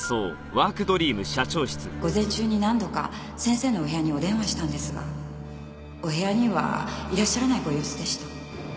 午前中に何度か先生のお部屋にお電話したんですがお部屋にはいらっしゃらないご様子でした。